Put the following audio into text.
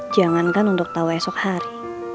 jangankan untuk tawa esok hari